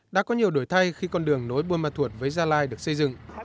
đã có nhiều đổi thay khi con đường nối buôn ma thuột với gia lai được xây dựng